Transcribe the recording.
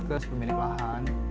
terus pemilik lahan